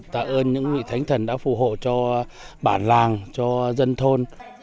tạ ơn những vị thánh thần đã phù hộ cho bản làng cho dân thôn